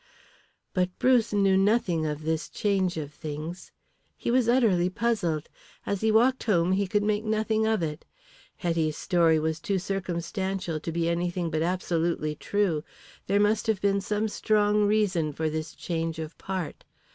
But Bruce knew nothing of this change of things. He was utterly puzzled. As he walked home he could make nothing of it. Hetty's story was too circumstantial to be anything but absolutely true. There must have been some strong reason for this change of part.